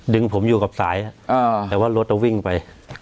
ดึงผมอยู่กับสายแต่ว่ารถวิ่งไป